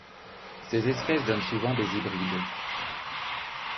Ces espèces donnent souvent des hybrides.